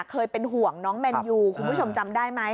เคยเป็นห่วงน้องแมนยูคุณผู้ชมจำได้ไหม